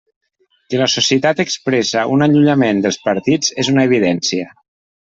Que la societat expressa un allunyament dels partits és una evidència.